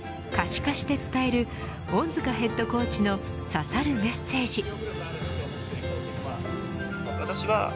可視化して伝える恩塚ヘッドコーチの刺さるメッセージ。